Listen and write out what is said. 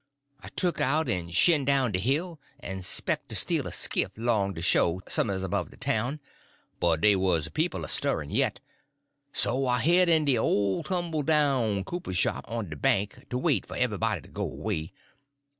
"I tuck out en shin down de hill, en 'spec to steal a skift 'long de sho' som'ers 'bove de town, but dey wuz people a stirring yit, so I hid in de ole tumble down cooper shop on de bank to wait for everybody to go 'way.